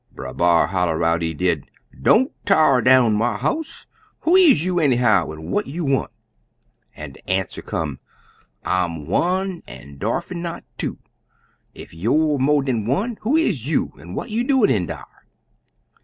Brer B'ar holla out, he did, 'Don't t'ar down my house! Who is you, anyhow, an' what you want?' An' de answer come, 'I'm one an' darfo' not two; ef youer mo' dan one, who is you an' what you doin' in dar?'